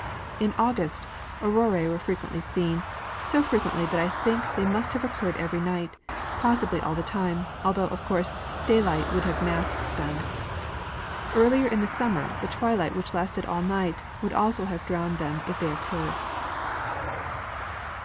In August aurorse were frequently seen, so fi'equently that I think they must have occurred every night ; possibly all the time, although, of course, daylight would have masked them. Earlier in the summer the twHight, which lasted all night, would also have drowned them if they occurred.